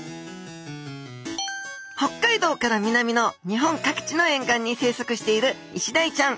北海道から南の日本各地の沿岸に生息しているイシダイちゃん。